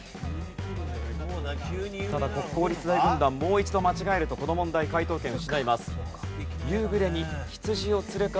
ただ国公立大軍団もう一度間違えるとこの問題解答権を失います。